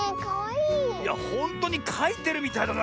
いやほんとにかいてるみたいだな